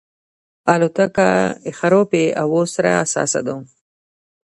الوتکه له خرابې هوا سره حساسه ده.